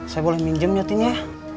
saya boleh minjemnya tin ya